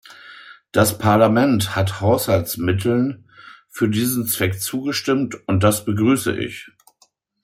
Das Parlament hat Haushaltsmitteln für diesen Zweck zugestimmt und das begrüße ich.